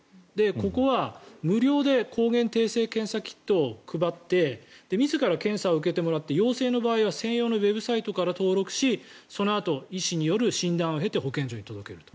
ここは無料で抗原定性検査キットを配って自ら検査を受けてもらって陽性の場合は専用のウェブサイトから登録しそのあと医師による診断を経て保健所に届けると。